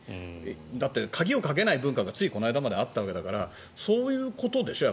だって、鍵をかけない文化がついこの間まであったわけだからそういうことでしょ？